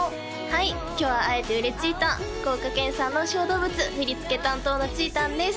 はい今日は会えてうれちーたん福岡県産の小動物振り付け担当のちーたんです